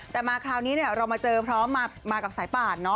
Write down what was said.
แต่มาคราวนี้เรามาเจอพร้อมมากับสายป่าน